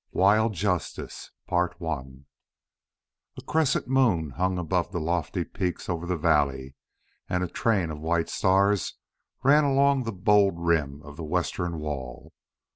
XV. WILD JUSTICE A crescent moon hung above the lofty peak over the valley and a train of white stars ran along the bold rim of the western wall.